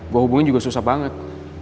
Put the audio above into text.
gue hubungin juga susah banget